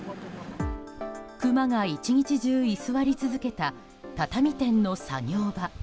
クマが一日中居座り続けた畳店の作業場。